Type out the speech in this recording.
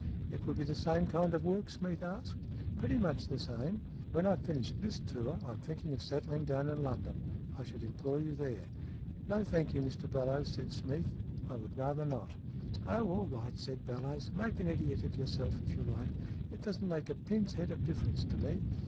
" It would be the same kind of work ?" Smeath asked. "Pretty much the same. When I've finished this tour I am thinking of settling down in London. I should employ you there." "No, thank you, Mr Bellowes," said Smeath. " I would rather not." " Oh, all right," said Bellowes. " Make an idiot of yourself, if you like. It doesn't make a pin's head of difference to me.